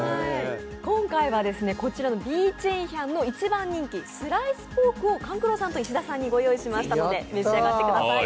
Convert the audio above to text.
今回のこちらの美珍香の一番人気、スライスポークを勘九郎さんと石田さんにご用意しましたので、お召し上がりください。